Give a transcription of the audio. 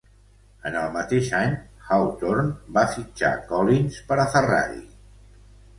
En el mateix any, Hawtorn va fitxar Collins per a Ferrari.